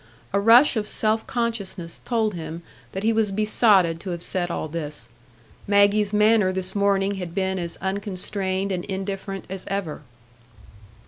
A rush of self consciousness told him that he was besotted to have said all this. Maggie's manner this morning had been as unconstrained and indifferent as ever.